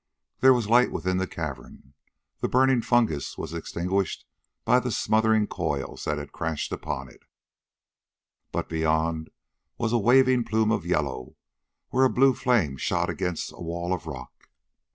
There was light within the cavern. The burning fungus was extinguished by the smothering coils that had crashed upon it, but beyond was a waving plume of yellow where a blue flame shot against a wall of rock.